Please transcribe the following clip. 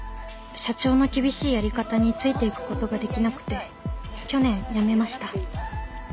社長の厳しいやり方についていくことができなくて去年辞めました。